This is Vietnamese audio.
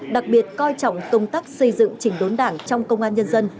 đặc biệt coi trọng công tác xây dựng chỉnh đốn đảng trong công an nhân dân